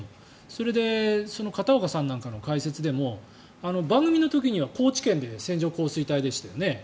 それで、片岡さんの解説でも番組の時には高知県で線状降水帯でしたよね。